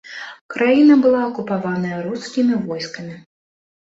Краіна была акупаваная рускімі войскамі.